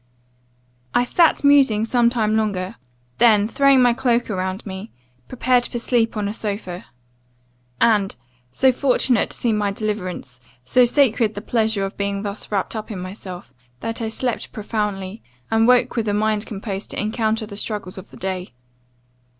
"I sat musing some time longer; then, throwing my cloak around me, prepared for sleep on a sopha. And, so fortunate seemed my deliverance, so sacred the pleasure of being thus wrapped up in myself, that I slept profoundly, and woke with a mind composed to encounter the struggles of the day.